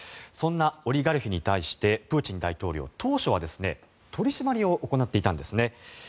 そんなオリガルヒに対してプーチン大統領当初は、取り締まりを行っていたんですね。